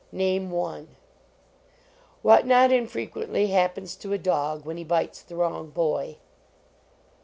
Name one. What not infrequently happens to a dog when he bites the wrong boy